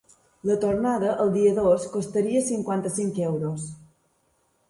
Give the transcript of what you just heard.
La tornada, el dia dos, costaria cinquanta-cinc euros.